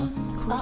あ！